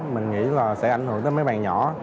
mình nghĩ là sẽ ảnh hưởng tới mấy bạn nhỏ